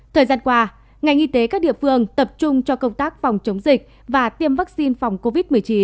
thời gian qua ngành y tế các địa phương tập trung cho công tác phòng chống dịch và tiêm vaccine phòng covid một mươi chín